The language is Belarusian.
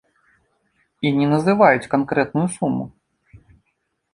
І не называюць канкрэтную суму.